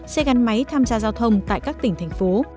xe gắn máy tham gia giao thông tại các tỉnh thành phố